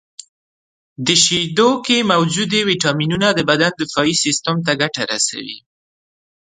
• د شیدو کې موجودې ویټامینونه د بدن دفاعي سیستم ته ګټه رسوي.